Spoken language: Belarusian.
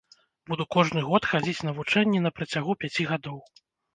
Буду кожны год хадзіць на вучэнні на працягу пяці гадоў.